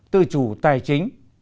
tự chủ tài chính